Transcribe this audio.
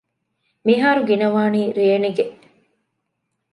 މިހާރު ގިނަވާނީ ރޭނިގެ